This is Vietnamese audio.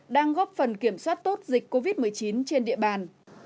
đang góp phần kiểm soát tốt dịch covid một mươi chín trên địa bàn